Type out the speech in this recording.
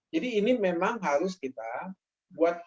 jadi ini memang harus kita buat